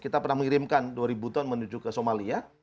kita pernah mengirimkan dua ribu ton menuju ke somalia